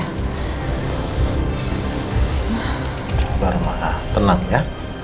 kabar malah tenang ya